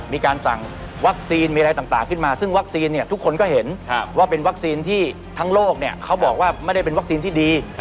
มีการสั่งวัคซีนมีอะไรต่างขึ้นมาซึ่งวัคซีนทุกคนก็เห็นว่าเป็นวัคซีนที่ทั้งโลกเขาบอกว่าไม่ได้เป็นวัคซีนที่ดี